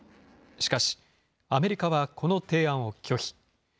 しかしアメリカはこの提案を拒否。